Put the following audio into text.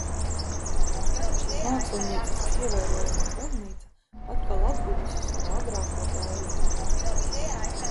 Tagad šī mākslinieciski ievērojamā baznīca atkal atguvusi savu agrāko daiļumu.